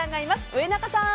上中さん！